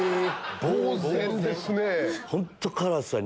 ぼうぜんですね。